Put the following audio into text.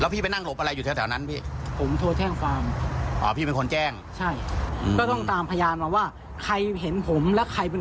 พี่เป็นคนแจ้งใช่ก็ต้องตามพยานมาว่าใครเห็นผมและใครเป็น